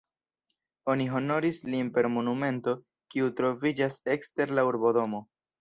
Oni honoris lin per monumento, kiu troviĝas ekster la urbodomo.